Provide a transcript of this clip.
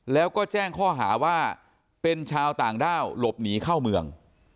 แล้วก็แจ้งข้อหาว่าเป็นชาวต่างด้าวหลบหนีเข้าเมือง